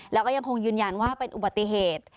แล้วก็ยังคงยืนยันว่าเป็นอุบัติเหตุ